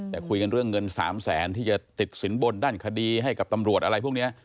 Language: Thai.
แต่คุยกันเรื่องเงิน๓แสนที่จะติดสินบนด้านคดีให้กับตำรวจอะไรพวกนี้